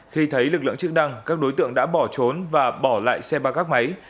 khi thấy lực lượng chức năng các đối tượng đã bỏ trốn và bỏ lại xe ba gác máy